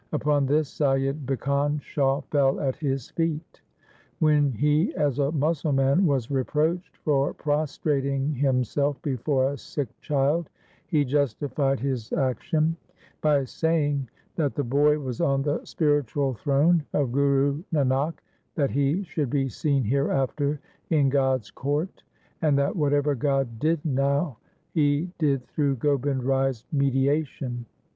Upon this Saiyid Bhikan Shah fell at his feet. When he as a Musalman was reproached for prostrating himself before a Sikh child, he justified his action by saying that the boy was on the spiritual throne of Guru Nanak, that he should be seen hereafter in God's court, and that whatever God did now He did through Gobind Rai's mediation.